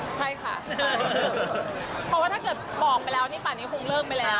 ใช่ค่ะใช่เพราะว่าถ้าเกิดบอกไปแล้วนี่ป่านี้คงเลิกไปแล้ว